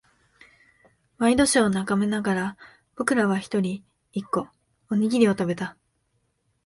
ワイドショーを眺めながら、僕らは一人、一個、おにぎりを食べた。